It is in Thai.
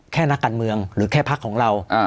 แค่นักการเมืองหรือแค่ภักดิ์ของเรา